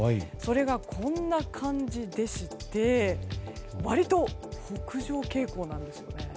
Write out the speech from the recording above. それが、こんな感じでして割と北上傾向なんです。